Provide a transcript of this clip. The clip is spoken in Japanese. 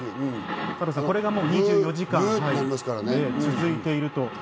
これが２４時間続いていると。